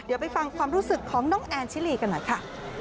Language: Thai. เดี๋ยวไปฟังความรู้สึกของน้องแอนชิลีกันหน่อยค่ะ